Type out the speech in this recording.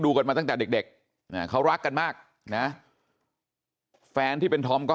กันมาตั้งแต่เด็กเขารักกันมากนะแฟนที่เป็นธอมก็